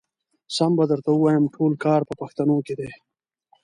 سم به درته ووايم ټول کار په پښتنو کې دی.